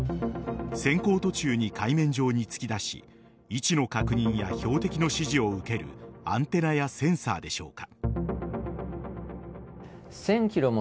潜航途中に海面上に突き出し位置の確認や標的の指示を受けるアンテナやセンサーでしょうか。